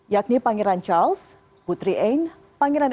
yakni pangeran charles putri anne pangeran